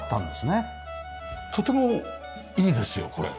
とてもいいですよこれ。